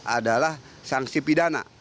adalah sanksi pidana